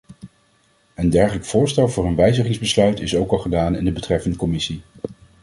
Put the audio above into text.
Een dergelijk voorstel voor een wijzigingsbesluit is ook al gedaan in de betreffende commissie.